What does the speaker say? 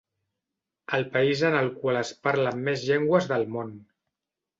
El país en el qual es parlen més llengües del món.